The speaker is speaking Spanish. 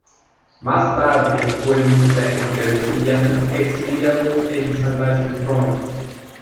Más tarde fue vista entre los villanos exiliados en Salvation Run.